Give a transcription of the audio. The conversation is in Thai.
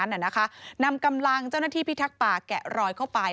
สมัยนั้นน่ะนะคะนำกำลังเจ้าหน้าที่พิทักษ์ป่าแกะรอยเข้าไป